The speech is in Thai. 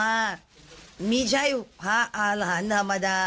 ไม่ใช่พระอาหารธรรมดา